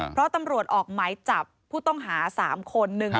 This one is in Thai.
เพราะตำรวจออกหมายจับผู้ต้องหา๓คน